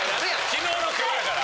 昨日の今日やから。